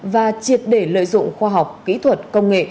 và triệt để lợi dụng khoa học kỹ thuật công nghệ